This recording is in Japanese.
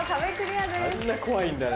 あんな怖いんだね。